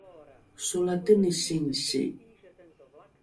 solateni singsi